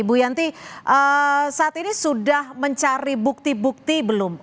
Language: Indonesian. bu yanti saat ini sudah mencari bukti bukti belum